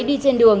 đi trên đường